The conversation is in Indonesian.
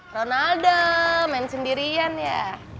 ronaldo main sendirian ya